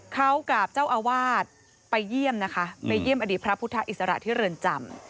เขากับเจ้าอาวาสไปเยี่ยมนะคะไปเยี่ยมอดีตพระพุทธอิสระที่เรือนจำ